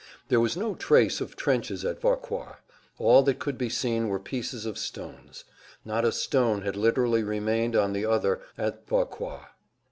There was no trace of trenches at Vauquois. All that could be seen were pieces of stones. Not a stone had literally remained on the other at Vauquois.